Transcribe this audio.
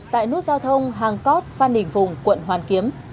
tại nút giao thông hàng cót phan đình phùng quận hoàn kiếm